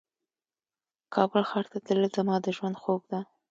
کابل ښار ته تلل زما د ژوند خوب ده